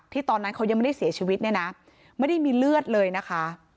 ตอนนั้นเขายังไม่ได้เสียชีวิตเนี่ยนะไม่ได้มีเลือดเลยนะคะ